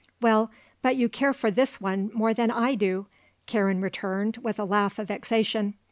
"Well, but you care for this one more than I do!" Karen returned, with a laugh of vexation.